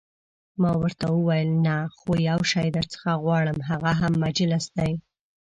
ما ورته وویل: نه، خو یو شی درڅخه غواړم، هغه هم مجلس دی.